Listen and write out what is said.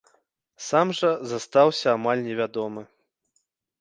Сам жа застаўся амаль невядомы.